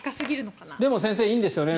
でも先生、いいんですよね。